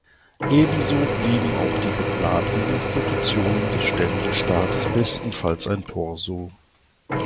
Ebenso blieben auch die geplanten Institutionen des Ständestaates bestenfalls ein Torso.